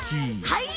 はい！